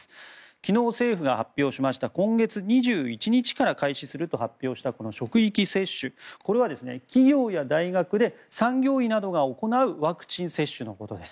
昨日、政府が発表した今月２１日から開始すると発表したこの職域接種これは企業や大学で産業医などが行うワクチン接種のことです。